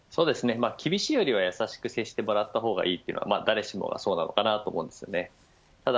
厳しいよりは、優しく接してもらった方がいいというのは誰しもがそうなのかなと思うんですよね。